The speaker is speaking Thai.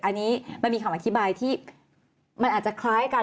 อันนี้มันมีคำอธิบายที่มันอาจจะคล้ายกัน